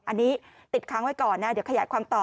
อันนี้ติดค้างไว้ก่อนนะเดี๋ยวขยายความต่อ